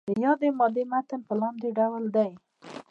د یادې مادې متن په لاندې ډول دی.